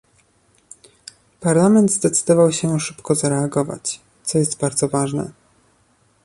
Parlament zdecydował się szybko zareagować, co jest bardzo ważne